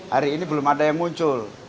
hari ini belum ada yang muncul